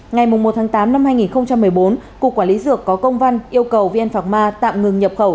ngày một một tháng tám năm hai nghìn một mươi bốn cục quản lý dược có công văn yêu cầu vn phạc ma tạm ngừng nhập khẩu